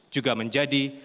juga menjadi hal